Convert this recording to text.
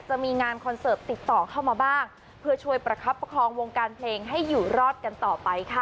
จะมีงานคอนเสิร์ตติดต่อเข้ามาบ้างเพื่อช่วยประคับประคองวงการเพลงให้อยู่รอดกันต่อไปค่ะ